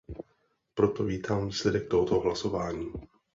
Proto vítám výsledek tohoto hlasování.